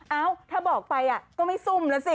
เอ้าถ้าบอกไปก็ไม่ซุ่มแล้วสิ